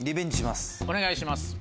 お願いします。